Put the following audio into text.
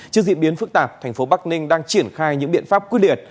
trước diễn biến phức tạp thành phố bắc ninh đang triển khai những biện pháp quy địệt